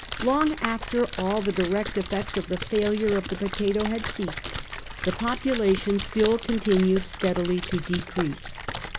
Long after all the direct effects of the failure of the potato had ceased, the population still continued steadily to decrease.